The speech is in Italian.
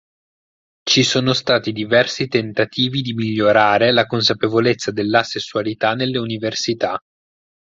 Ci sono stati diversi tentativi di migliorare la consapevolezza dell'asessualità nelle università.